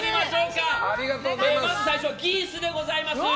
まず最初はザ・ギースでございます。